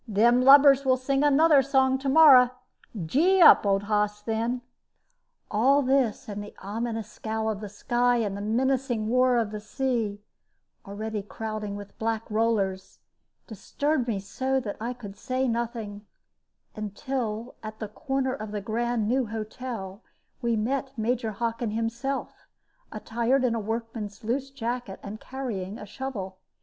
Them lubbers will sing another song to morrow. Gee up, old hoss, then!" All this, and the ominous scowl of the sky and menacing roar of the sea (already crowding with black rollers), disturbed me so that I could say nothing, until, at the corner of the grand new hotel, we met Major Hockin himself, attired in a workman's loose jacket, and carrying a shovel.